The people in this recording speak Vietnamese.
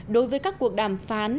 đối với các cuộc đàm phán